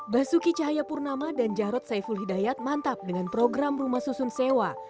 basuki cahayapurnama dan jarod saiful hidayat mantap dengan program rumah susun sewa